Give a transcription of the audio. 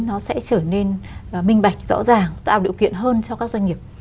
nó sẽ trở nên minh bạch rõ ràng tạo điều kiện hơn cho các doanh nghiệp